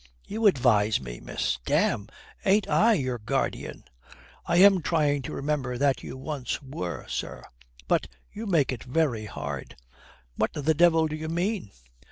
"You advise me, miss! Damme, ain't I your guardian?" "I am trying to remember that you once were, sir. But you make it very hard." "What the devil do you mean?"